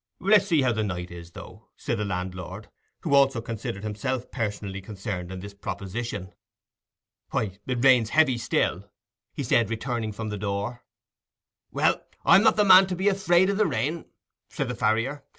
"Let us see how the night is, though," said the landlord, who also considered himself personally concerned in this proposition. "Why, it rains heavy still," he said, returning from the door. "Well, I'm not the man to be afraid o' the rain," said the farrier.